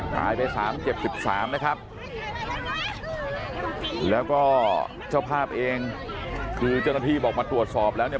ตายไปสามเจ็บสิบสามนะครับแล้วก็เจ้าภาพเองคือเจ้าหน้าที่บอกมาตรวจสอบแล้วเนี่ย